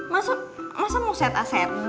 masa mau set a set b